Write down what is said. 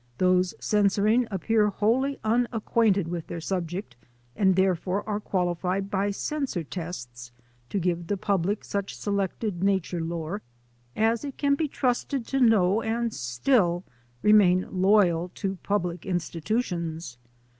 Those censoring appear wholly unacquainted with their subject, and there fore are qualified by censor tests to give the public such selected nature lore as it can be trusted to know and still remain loyal to public institutions.